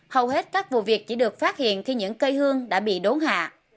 hầu hết các vụ việc chỉ được phát hiện khi những cây hương đã bị đốn hạ